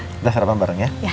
kita sarapan bareng ya